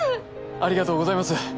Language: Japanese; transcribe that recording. ありがとうございます。